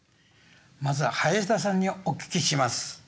まずは林田さんにお聞きします。